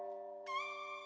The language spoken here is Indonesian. ya udah saya pakai baju dulu